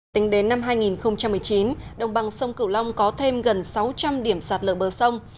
tính đến năm hai nghìn một mươi chín đồng bằng sông cửu long có thêm gần sáu trăm linh điểm sạt lở bờ sông